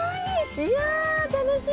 いや楽しみ。